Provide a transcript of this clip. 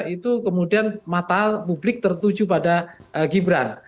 itu kemudian mata publik tertuju pada gibran